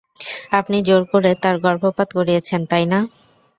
আপনি জোর করে তার গর্ভপাত করিয়েছেন, তাই না?